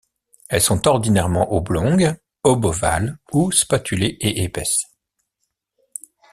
Elles sont ordinairement oblongues, obovales ou spatulées et épaisses.